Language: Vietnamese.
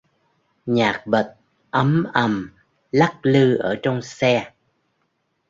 Nhạc bật ấm ầm lắc lư ở trong xe